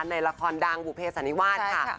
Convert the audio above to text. ในละครดังบุเภสันนิวาสค่ะ